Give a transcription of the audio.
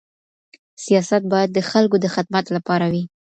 سياست بايد د خلګو د خدمت لپاره وي.